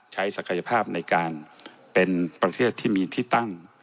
ศักยภาพในการเป็นประเทศที่มีที่ตั้ง